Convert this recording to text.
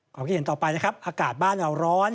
คิดเห็นต่อไปนะครับอากาศบ้านเราร้อน